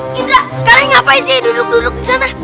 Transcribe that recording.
hidra kalian ngapain sih duduk duduk di sana